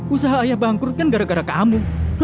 usaha ayah bangkrut kan gara gara kamu